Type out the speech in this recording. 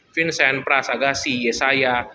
vincent pras agassi yesaya